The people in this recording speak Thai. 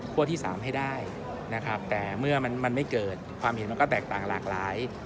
ที่สามให้ได้นะครับแต่เมื่อมันไม่เกิดความเห็นมันก็แตกต่างหลากหลาย